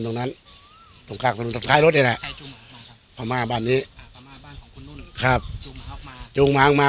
พระม่าบ้านนี้พระม่าบ้านของคุณนุ่นครับจูงหมาออกมาจูงหมาออกมา